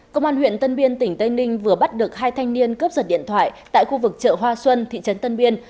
công an huyện tân biên tỉnh tây ninh vừa bắt được hai thanh niên cướp giật điện thoại tại khu vực chợ hoa xuân thị trấn tân biên